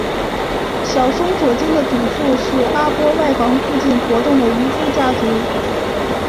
小松左京的祖先是阿波外房附近活动的渔夫家族。